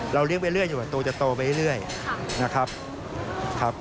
เราเลี้ยงไปเรื่อยอย่างว่าตัวจะโตไปเรื่อยนะครับ